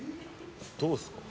どうですか？